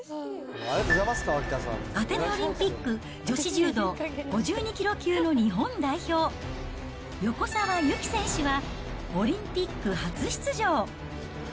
アテネオリンピック女子柔道５２キロ級の日本代表、横澤由貴選手は、オリンピック初出場。